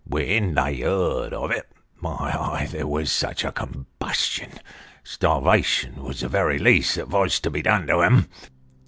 When they heard on it my eyes, there was such a combustion ! Starvation vos the very least that vos to be done to 'em.